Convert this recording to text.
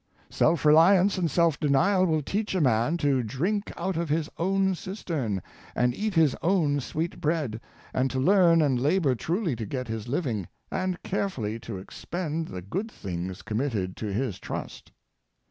Self reli ance and self denial will teach a man to drink out of his own cistern, and eat his own sweet bread, and to learn and labor truly to get his living, and carefully to expend the good things committed to his trust.'